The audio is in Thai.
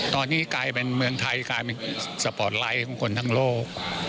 ตอนนี้กลายเป็นเมืองไทยกลายเป็นสปอร์ตไลท์ของคนทั้งโลก